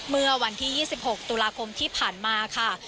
เมื่อวันที่๒๖ตุลาคมที่ผ่านมาค่ะ